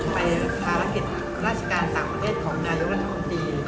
ไปธาระกิจราชิการต่างประเทศของนายุทธ์ธรรมดี